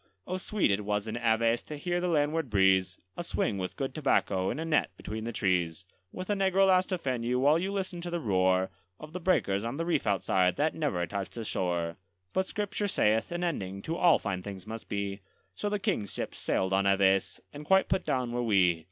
Oh, sweet it was in Aves to hear the landward breeze, A swing with good tobacco in a net between the trees, With a negro lass to fan you, while you listened to the roar Of the breakers on the reef outside, that never touched the shore. But Scripture saith, an ending to all fine things must be; So the King's ships sailed on Aves, and quite put down were we.